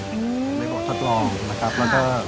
ไปดูกันค่ะว่าหน้าตาของเจ้าปาการังอ่อนนั้นจะเป็นแบบไหน